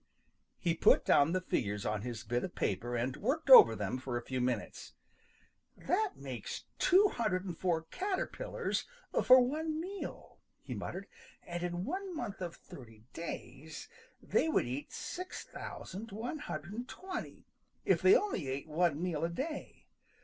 He put down the figures on his bit of paper and worked over them for a few minutes. "That makes 204 caterpillars for one meal," he muttered, "and in one month of thirty days they would eat 6120 if they only ate one meal a day.